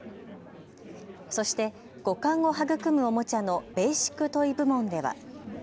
そして五感を育むおもちゃのベーシック・トイ部門では。